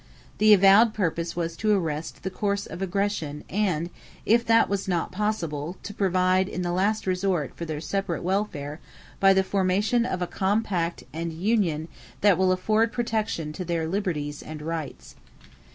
The avowed purpose was to arrest "the course of aggression" and, if that was not possible, to provide "in the last resort for their separate welfare by the formation of a compact and union that will afford protection to their liberties and rights."